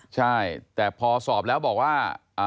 ใช่แต่พอสอบแล้วบอกว่า